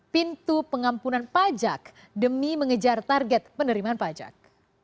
pintu pengampunan pajak demi mengejar target penerimaan pajak